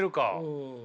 うん。